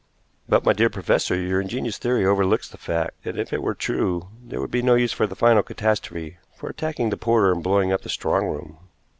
"But, my dear professor, your ingenious theory overlooks the fact that, if it were true, there would be no use for the final catastrophe for attacking the porter and blowing up the strong room."